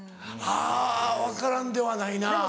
あ分からんではないな。